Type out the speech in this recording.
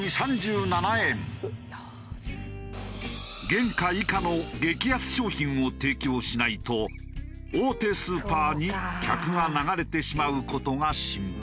原価以下の激安商品を提供しないと大手スーパーに客が流れてしまう事が心配。